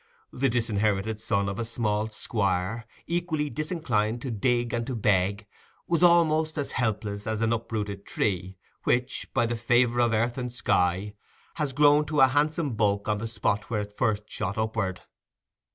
The disinherited son of a small squire, equally disinclined to dig and to beg, was almost as helpless as an uprooted tree, which, by the favour of earth and sky, has grown to a handsome bulk on the spot where it first shot upward.